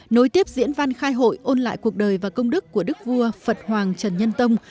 nối tiếp diễn văn khai hội ôn lại cuộc đời và công đức của đức vua phật hoàng trần nhân tông